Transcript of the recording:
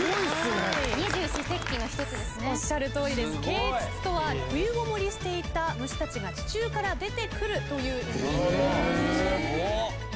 啓蟄とは冬ごもりしていた虫たちが地中から出てくるという意味になります。